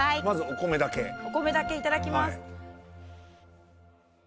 お米だけいただきます。